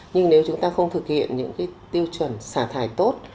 nhưng nếu chúng ta không thực hiện những tiêu chuẩn sả thải tốt